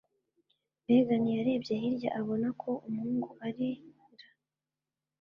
Megan yarebye hirya abona ko umuhungu ari r